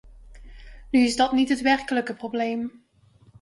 Nu is dat niet het werkelijke probleem.